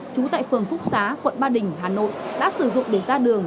trú tại phường phúc xá quận ba đình hà nội đã sử dụng để ra đường